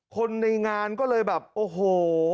คนในงานก็เลยแบบโอ้โห